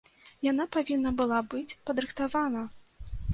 Яна павінна была быць падрыхтавана!